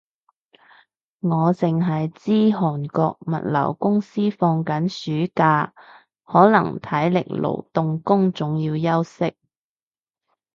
我剩係知韓國物流公司放緊暑假，可能體力勞動工種要休息